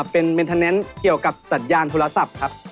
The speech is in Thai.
เป็นเมนเทอร์เนนซ์เกี่ยวกับสัญญาณโทรศัพท์ครับ